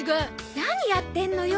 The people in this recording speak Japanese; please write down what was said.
何やってんのよ。